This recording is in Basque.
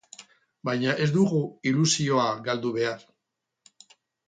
Baina ez dugu ilusioa galdu behar.